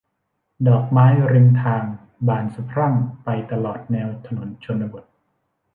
ดอกไม้ริมทางบานสะพรั่งไปตลอดแนวถนนชนบท